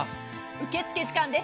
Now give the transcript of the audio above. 受付時間です。